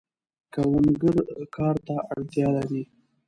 کروندګر کار ته اړتیا لري.